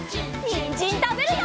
にんじんたべるよ！